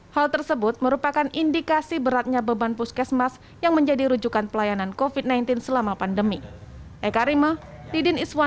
hal tersebut merupakan indikasi beratnya beban puskesmas yang menjadi rujukan pelayanan covid sembilan belas selama pandemi